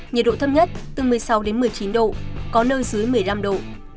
nhiệt độ thấp nhất từ một mươi sáu đến một mươi chín độ có nơi dưới một mươi năm độ